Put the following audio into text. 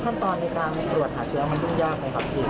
ขั้นตอนในการตรวจหาเชื้อมันยุ่งยากไหมครับพี่